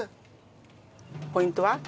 ポイントは包む？